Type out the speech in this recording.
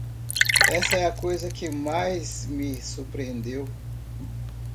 Essa é a coisa que mais me surpreendeu.